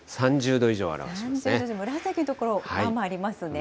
３０度以上、紫の所、まあまあありますね